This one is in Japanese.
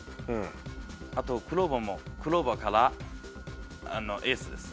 あとクローバーもクローバーからエースです。